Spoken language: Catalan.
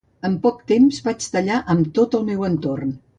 En poc temps vaig tallar amb tot el meu entorn.